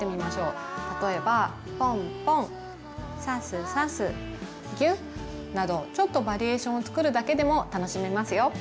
例えばぽんぽんさすさすぎゅっなどちょっとバリエーションをつくるだけでも楽しめますよ。